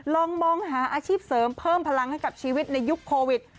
ลองมองหาอาชีพเสริมเพิ่มพลังให้กับชีวิตในยุคโควิด